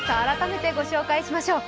改めてご紹介しましょう。